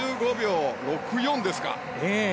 ５５秒６４ですか。